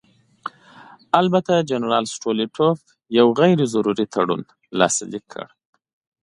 البته جنرال ستولیتوف یو نه چندانې مهم تړون لاسلیک کړ.